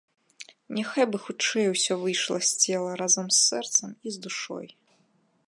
Няхай бы хутчэй усё выйшла з цела, разам з сэрцам і з душой!